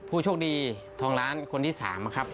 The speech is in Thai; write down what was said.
ผู้โชคดีทองล้านคนที่๓นะครับ